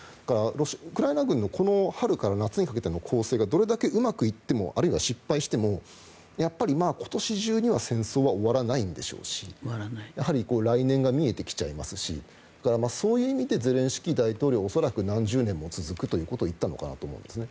ウクライナ軍の春から夏にかけての攻勢がどれだけうまくいってもあるいは失敗してもやっぱり今年中には戦争は終わらないんでしょうしやはり来年が見えてきちゃいますしそういう意味でゼレンスキー大統領は恐らく何十年も続くと言ったのかなと思うんですね。